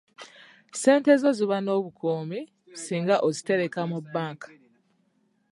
Ssente zo ziba n'obukuumi singa ozitereka mu banka.